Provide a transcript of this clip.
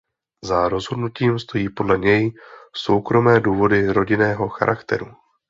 Za rozhodnutím stojí podle něj soukromé důvody rodinného charakteru.